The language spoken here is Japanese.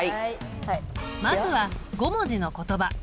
まずは５文字の言葉。